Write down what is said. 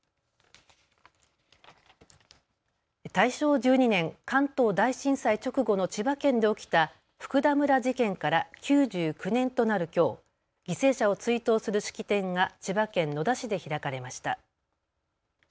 大正１２年、関東大震災直後の千葉県で起きた福田村事件から９９年となるきょう、犠牲者を追悼する式典が千葉県野田市で開かれました。